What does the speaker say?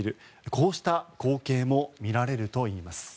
こうした光景も見られるといいます。